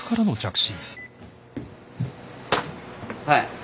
はい。